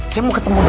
saya mau ketemu dia